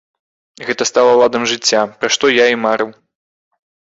Гэта стала ладам жыцця, пра што я і марыў.